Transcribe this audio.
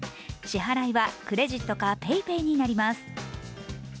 支払いはクレジットかＰａｙＰａｙになります。